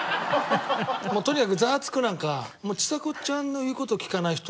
もうとにかく『ザワつく！』なんかちさ子ちゃんの言う事聞かない人はもう。